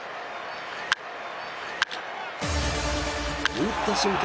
打った瞬間